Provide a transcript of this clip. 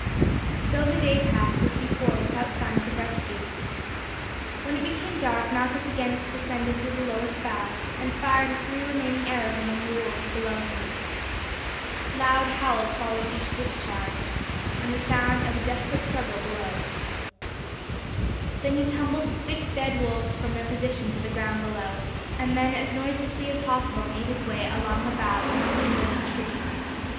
So the day passed as before without signs of rescue. When it became dark Malchus again descended to the lowest bough, and fired his three remaining arrows among the wolves below him. Loud howls followed each discharge, and the sound of a desperate struggle below. Then he tumbled the six dead wolves from their position to the ground below, and then as noiselessly as possible made his way along a bough into an adjoining tree.